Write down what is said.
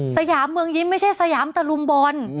สยามเมืองยิ้มไม่ใช่สยามตะลุมบอล